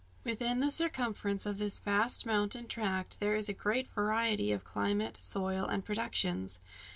Within the circumference of this vast mountain tract there is great variety of climate, soil, and productions.